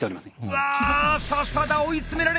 うわ笹田追い詰められた！